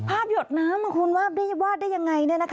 ภาพหยดน้ำคุณวาดได้อย่างไร